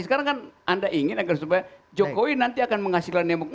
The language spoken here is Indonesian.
sekarang kan anda ingin agar supaya jokowi nanti akan menghasilkan demokrasi